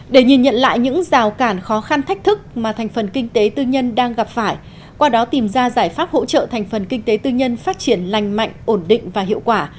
để nhìn nhận lại những rào cản khó khăn thách thức mà thành phần kinh tế tư nhân đang gặp phải qua đó tìm ra giải pháp hỗ trợ thành phần kinh tế tư nhân phát triển lành mạnh ổn định và hiệu quả